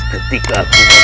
kau akan menang